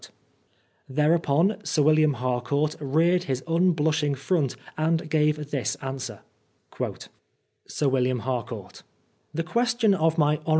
Thereupon Sir William Harcourt reared his unblush ing front and gave this answer :" Sir William Habcourt — The question of my hon.